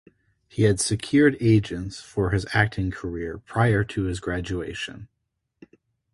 He had secured agents for his acting career prior to his graduation.